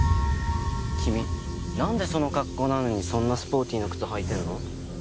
君なんでその格好なのにそんなスポーティーな靴履いてるの？